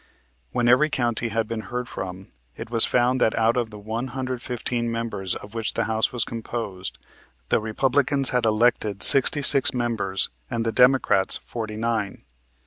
When every county had been heard from it was found that out of the one hundred fifteen members of which the House was composed, the Republicans had elected sixty six members and the Democrats, forty nine.